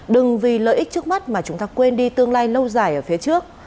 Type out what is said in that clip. đừng vì lợi ích trước mắt mà chúng ta quên đi tương lai lâu dài ở phía trước